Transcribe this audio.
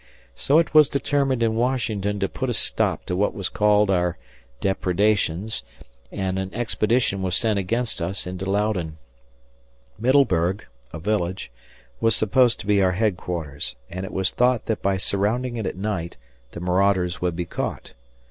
So it was determined in Washington to put a stop to what were called our depredations, and an expedition was sent against us into Loudoun. Middleburg, a village, was supposed to be our headquarters, and it was thought that by surrounding it at night the marauders could be caught.